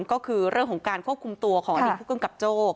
ก็คือเรื่องของการควบคุมตัวของอดีตผู้กำกับโจ้